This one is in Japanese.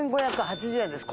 １，５８０円です。